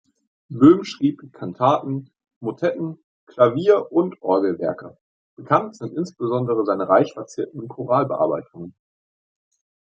Böhm schrieb Kantaten, Motetten, Klavier- und Orgelwerke; bekannt sind insbesondere seine reich verzierten Choralbearbeitungen.